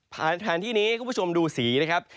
สถานที่นี้คุณผู้ชมดูสีนะครับ